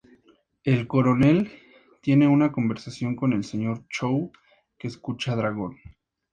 El coronel tiene una conversación con el señor Chou, que escucha Dragón.